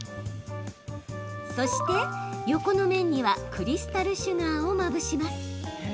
そして、横の面にはクリスタルシュガーをまぶします。